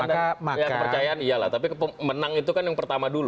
iya kepercayaan iyalah tapi menang itu kan yang pertama dulu